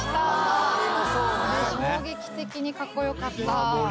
これ衝撃的にかっこよかった」